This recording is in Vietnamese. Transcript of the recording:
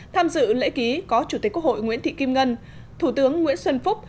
tham dự lễ ký có chủ tịch quốc hội nguyễn thị kim ngân thủ tướng nguyễn xuân phúc